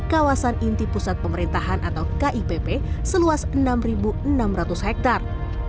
kawasan inti pusat pemerintahan atau kipp seluas enam enam ratus hektare